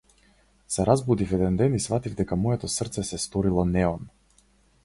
Се разбудив еден ден и сфатив дека моето срце се сторило неон.